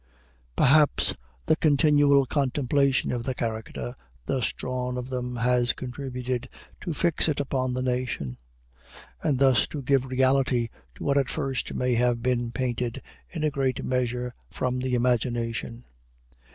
Perhaps the continual contemplation of the character thus drawn of them has contributed to fix it upon the nation; and thus to give reality to what at first may have been painted in a great measure from the imagination.